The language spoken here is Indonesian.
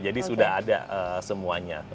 jadi sudah ada semuanya